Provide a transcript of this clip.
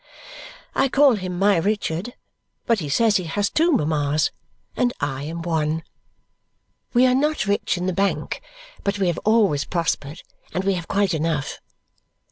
I call him my Richard! But he says that he has two mamas, and I am one. We are not rich in the bank, but we have always prospered, and we have quite enough.